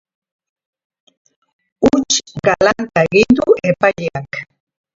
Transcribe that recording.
Huts galanta egin du epaileak.